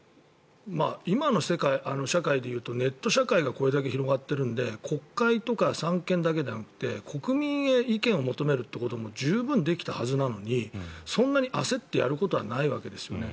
今の社会でいうとネット社会がこれだけ広がっているので国会とか三権だけではなくて国民へ意見を求めるということも十分できたはずなのにそんなに焦ってやることはないわけですよね。